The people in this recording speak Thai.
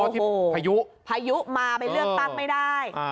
อ๋อที่พายุพายุมาเป็นเรื่องตั้งไม่ได้